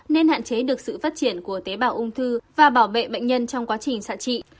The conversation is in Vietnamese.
nên hạn chế được sự phát triển của tế bào ung thư và bảo vệ bệnh nhân trong quá trình sản trị